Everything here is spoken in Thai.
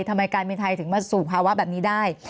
ทำไมการบินไทยถึงมาสู่ภาวะแบบนี้ได้